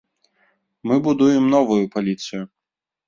Мы будуем новую паліцыю.